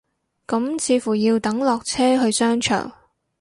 咁似乎要等落車去商場